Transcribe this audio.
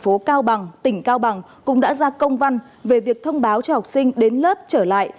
ubnd tp hcm cũng đã ra công văn về việc thông báo cho học sinh đến lớp trở lại